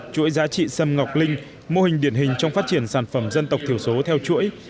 chuỗi giá trị xâm ngọc linh mô hình điển hình trong phát triển sản phẩm dân tộc thiểu số theo chuỗi